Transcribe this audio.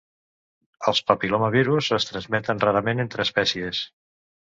Els papil·lomavirus es transmeten rarament entre espècies.